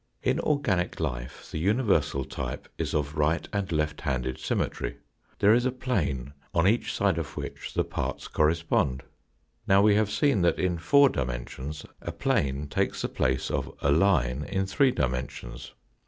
In organic life the universal type is of right and left handed symmetry, there is a plane on each side of which the parts correspond. Now we have seen that in four dimensions a plane takes the place of a line in three dimensions.